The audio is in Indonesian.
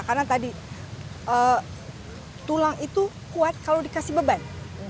karena tadi tulang itu kuat kalau dikasih beban